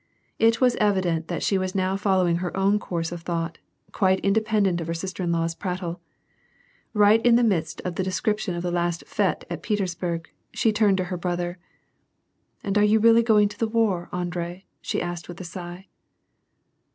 It was evident that she was now following her own course of thought, quite independent of her sister in law *s prattle. Eight in the midst of a description of the last fete at Petersburg, she turned to her brother, —" And are you really going to the war, Andre," she asked ^th a sigh.